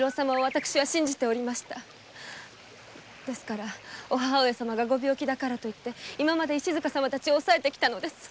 ですから母上様が病気だからと石塚様たちを抑えてきたのです。